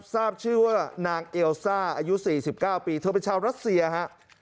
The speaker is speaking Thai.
ทราบชื่อว่านางเอลซ่าอายุ๔๙ปีเธอเป็นชาวรัสเซียฮะ